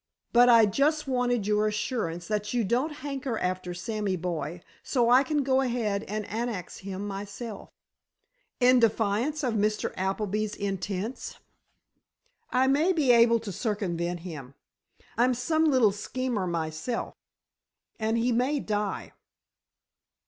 "But I just wanted your assurance that you don't hanker after Sammy boy, so I can go ahead and annex him myself." "In defiance of Mr. Appleby's intents?" "I may be able to circumvent him. I'm some little schemer myself. And he may die."